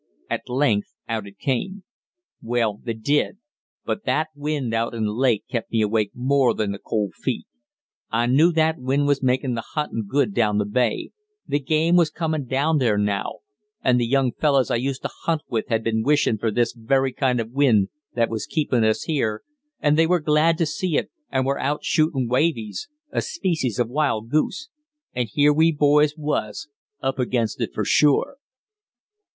At length out it came: "Well, they did, but that wind out in the lake kept me awake more than the cold feet. I knew that wind was makin' the huntin' good down the bay, the game was comin' down there now, and the young fellus I used to hunt with had been wishin' for this very wind that was keepin' us here, and they were glad to see it, and were out shootin' waveys [a species of wild goose]; and here we boys was, up against it for sure."